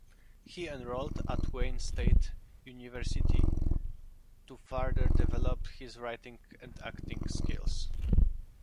He enrolled at Wayne State University to further develop his writing and acting skills.